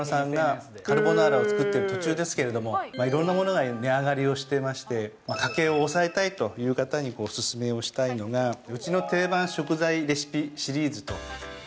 梨紗さん、なえなのさんがカルボナーラを作ってる途中ですけれども、いろんなものが値上がりをしてまして、家計を抑えたいという方にお薦めをしたいのが、うちの定番食材